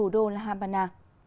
đô la habana